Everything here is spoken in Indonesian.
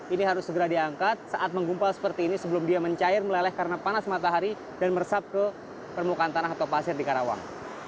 ini harus segera diangkat saat menggumpal seperti ini sebelum dia mencair meleleh karena panas matahari dan meresap ke permukaan tanah atau pasir di karawang